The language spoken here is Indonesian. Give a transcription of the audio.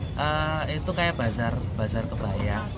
eee itu kayak bazar bazar kebayang